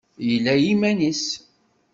Yella i yiman-nnes.